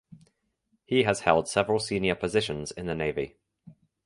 He has held several senior positions in the navy.